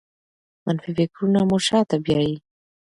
منفي فکرونه مو شاته بیايي.